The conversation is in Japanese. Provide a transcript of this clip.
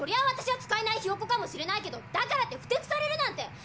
私は使えないひよっ子かもしれないけどだからってふてくされるなんて。